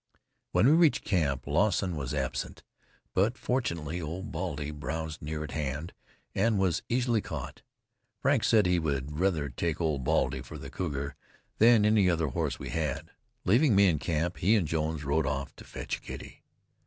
When we reached camp Lawson was absent, but fortunately Old Baldy browsed near at hand, and was easily caught. Frank said he would rather take Old Baldy for the cougar than any other horse we had. Leaving me in camp, he and Jones rode off to fetch Kitty.